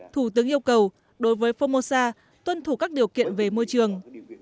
thủ tướng yêu cầu đối với formosa tuân thủ các điều kiện về môi trường